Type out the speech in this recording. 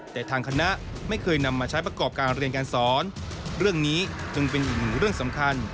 แต่ทางคณะไม่เคยนำมาใช้ประกอบการเรียนการสอนเรื่องนี้จึงเป็นอีกหนึ่งเรื่องสำคัญ